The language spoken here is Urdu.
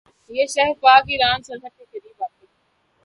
یہ شہر پاک ایران سرحد کے قریب واقع ہے